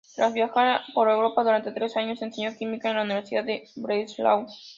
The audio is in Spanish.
Tras viajar por Europa durante tres años, enseñó química en la universidad de Breslau.